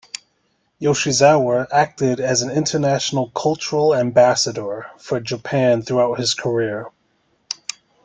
Yoshizawa acted as an international cultural ambassador for Japan throughout his career.